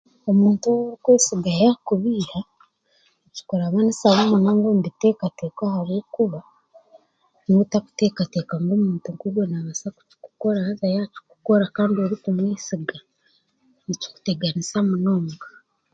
Omuntu ou orikwesiga yaakubiiha, nikikurabanisamu munonga omu biteekateeko ahabwokuba nooba otarikuteekateeka ntu omuntu nk'ogwo naabaasa kukukora haza yaakikukora, orikumwesiga, nikikuteganisa munonga.